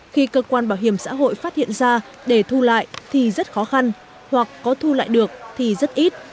khi cơ quan bảo hiểm xã hội phát hiện ra để thu lại thì rất khó khăn hoặc có thu lại được thì rất ít